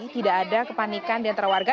tidak ada kepanikan di antara warga